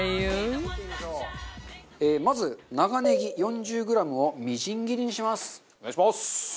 まず長ネギ４０グラムをみじん切りにします。